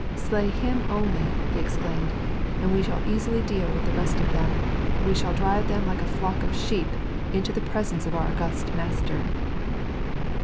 "Slay him only," he exclaimed; "and we shall easily deal with the rest of them; we shall drive them like a flock of sheep into the presence of our august master."